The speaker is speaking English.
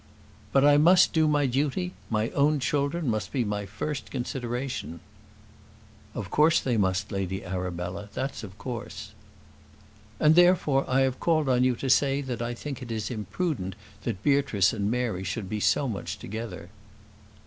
"But I must do my duty: my own children must be my first consideration." "Of course they must, Lady Arabella; that's of course." "And, therefore, I have called on you to say that I think it is imprudent that Beatrice and Mary should be so much together."